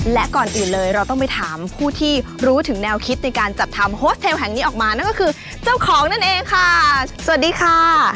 และก่อนอื่นเลยเราต้องไปถามผู้ที่รู้ถึงแนวคิดในการจัดทำโฮสเทลแห่งนี้ออกมานั่นก็คือเจ้าของนั่นเองค่ะสวัสดีค่ะ